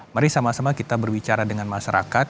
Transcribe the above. mari sama sama kita berbicara dengan masyarakat